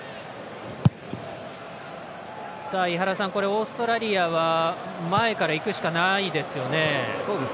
オーストラリアは前からいくしかないですよね。